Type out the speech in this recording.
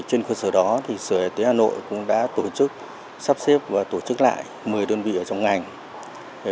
trên cơ sở đó sở y tế hà nội cũng đã tổ chức sắp xếp và tổ chức lại một mươi đơn vị ở trong ngành